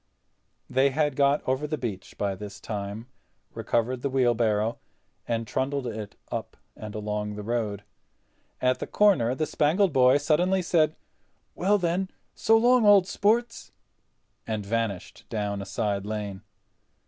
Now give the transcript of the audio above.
They had got over the beach by this time, recovered the wheelbarrow, and trundled it up and along the road. At the corner the Spangled Boy suddenly said: "Well then, so long, old sports," and vanished down a side lane.